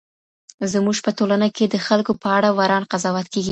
زموږ په ټولنه کي د خلګو په اړه وران قضاوت کېږي.